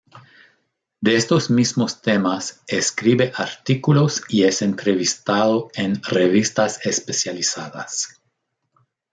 De estos mismos temas escribe artículos y es entrevistado en revistas especializadas.